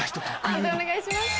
判定お願いします。